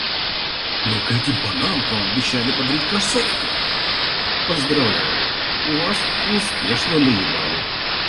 «Но к этим панамкам обещали подарить кроссовки!» — «Поздравляю, вас успешно наебали!»